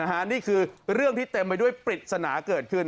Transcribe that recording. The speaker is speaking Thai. นี่คือเรื่องที่เต็มไปด้วยปริศนาเกิดขึ้น